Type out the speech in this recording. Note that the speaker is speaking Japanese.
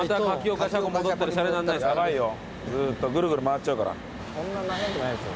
ずっとぐるぐる回っちゃうから。